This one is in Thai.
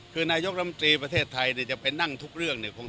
คือนายกรรมตรีประเทศไทยจะไปนั่งทุกเรื่องเนี่ย